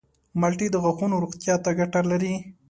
مالټې د غاښونو روغتیا ته ګټه لري.